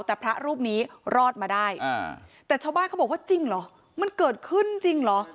แต่พระรูปนี้รอดมาได้แต่ชาวบ้านเขาบอกว่าจริงเหรอมันเกิดขึ้นจริงเหรอ